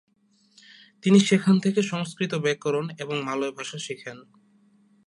তিনি সেখান থেকে সংস্কৃত ব্যাকরণ এবং মালয় ভাষা শেখেন।